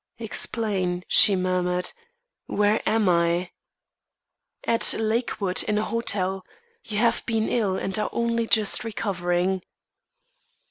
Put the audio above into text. "Explain," she murmured. "Where am I?" "At Lakewood, in a hotel. You have been ill, and are only just recovering."